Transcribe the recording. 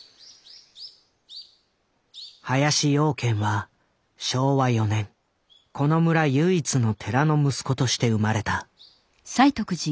林養賢は昭和４年この村唯一の寺の息子として生まれた。